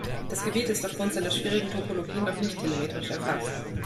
Das Gebiet ist aufgrund seiner schwierigen Topologie noch nicht telemetrisch erfasst.